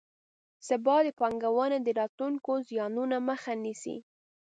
ثبات د پانګونې د راتلونکو زیانونو مخه نیسي.